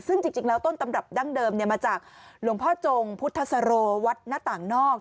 ซึ่งจริงแล้วต้นตำรับดั้งเดิมมาจากหลวงพ่อจงพุทธสโรวัดหน้าต่างนอก